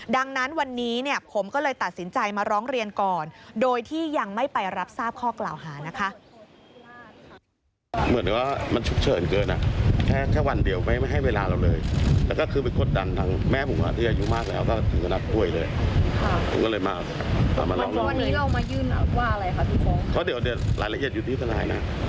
ดังนั้นวันนี้เนี่ยผมก็เลยตัดสินใจมาร้องเรียนก่อนโดยที่ยังไม่ไปรับทราบข้อกล่าวหานะคะ